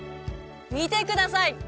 見てください